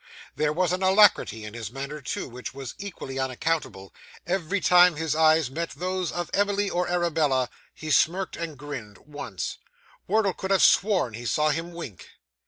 There was an alacrity in his manner, too, which was equally unaccountable; every time his eyes met those of Emily or Arabella, he smirked and grinned; once, Wardle could have sworn, he saw him wink.